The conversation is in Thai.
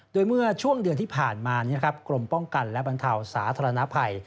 โดยเมื่อช่วงเดือนที่ผ่านมากรมป้องกันและบรรเทาสาธารณภัย